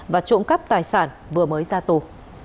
và trộm cắp tài sản vừa mới ra tù